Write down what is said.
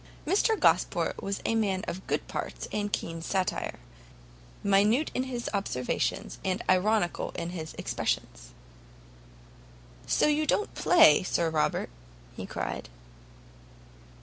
Mr Gosport was a man of good parts, and keen satire: minute in his observations, and ironical in his expressions. "So you don't play, Sir Robert?" he cried.